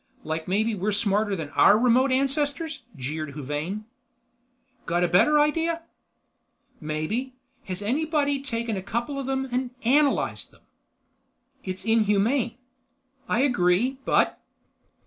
"Like maybe we're smarter than our remote ancestors?" jeered Huvane. "Got a better idea?" "Maybe. Has anybody really taken a couple of them and analyzed them?" "It's inhumane." "I agree, but—?"